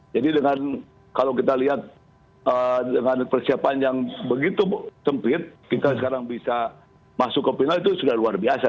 jadi kalau kita lihat dengan persiapan yang begitu sempit kita sekarang bisa masuk ke final itu sudah luar biasa